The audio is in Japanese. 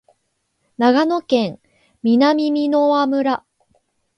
長野県南箕輪村